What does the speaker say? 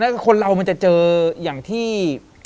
แล้วคนเรามันจะเจออย่างที่